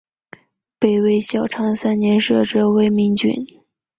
北魏孝昌三年设置魏明郡。